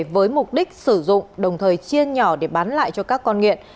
với mục đích sử dụng đồng thời chia nhỏ để bán lại cho các con nghiện